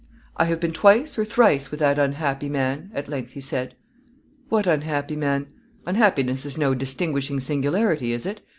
"I have been twice or thrice with that unhappy man," at length he said. "What unhappy man? Unhappiness is no distinguishing singularity, is it?"